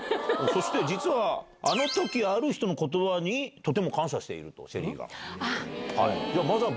そして、実はあのとき、ある人のことばにとても感謝していると、ＳＨＥＬＬＹが。